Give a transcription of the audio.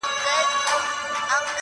له غاړګیو به لمني تر لندنه ورځي-